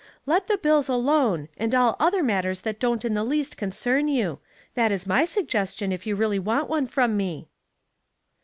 Let the bills alone, and all other matters that don't in the least concern you. That is my suggestion, if you really want one from me."